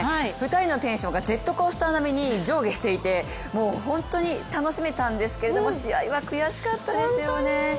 ２人のテンションがジェットコースター並みに上下していて、本当に楽しめたんですけれども試合は悔しかったですよね。